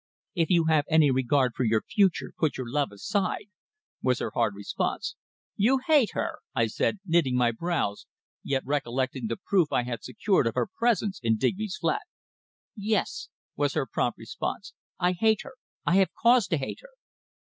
"If you have any regard for your future put your love aside," was her hard response. "You hate her!" I said, knitting my brows, yet recollecting the proof I had secured of her presence in Digby's flat. "Yes," was her prompt response. "I hate her I have cause to hate her!"